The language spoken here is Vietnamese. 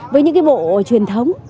với những cái bộ truyền thống